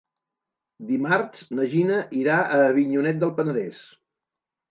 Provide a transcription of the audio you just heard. Dimarts na Gina irà a Avinyonet del Penedès.